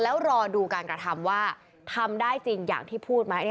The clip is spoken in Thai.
แล้วรอดูการกระทำว่าทำได้จริงอย่างที่พูดไหม